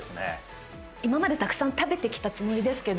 今までたくさん食べてきたつもりですけど。